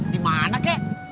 di mana kek